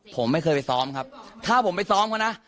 ผมไม่เคยไปซ้อมครับถ้าผมไปซ้อมเขานะ